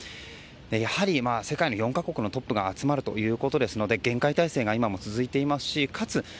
やはり、世界の４か国のトップが集まるということですので厳戒態勢が今も続いていますしかつ